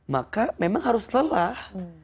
maka memang harus lelah